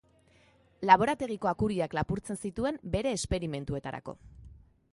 Laborategiko akuriak lapurtzen zituen bere esperimentuetarako.